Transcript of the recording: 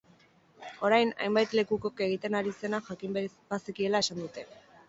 Orain, hainbat lekukok egiten ari zena jakin bazekiela esan dute.